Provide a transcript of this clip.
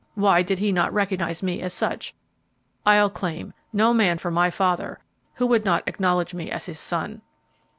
Why did he not recognize me as such? I'll claim no man for my father who would not acknowledge me as his son."